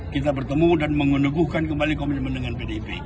kita bertemu dan mengunduhkan kembali komitmen dengan pdip